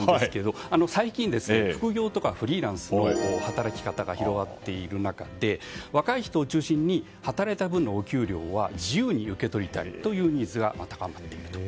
最近、副業とかフリーランスで働き方が広がっている中で若い人を中心に働いた分の給料は自由に受け取りたいというニーズが高まってきていると。